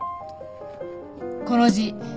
この字。